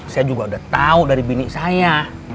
saya juga udah tahu dari bini saya